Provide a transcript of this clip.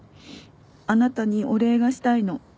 あなたにお礼がしたいの」